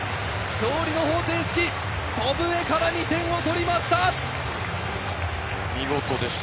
勝利の方程式、祖父江から２点を取りました！